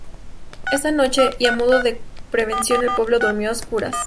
Esa noche, y a modo de prevención el pueblo durmió a oscuras.